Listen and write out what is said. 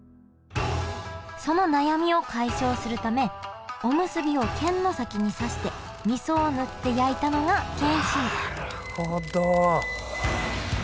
その悩みを解消するためおむすびを剣の先に刺してみそを塗って焼いたのが謙信なるほど！